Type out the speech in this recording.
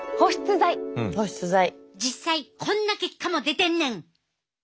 実際こんな結果も出てんねん！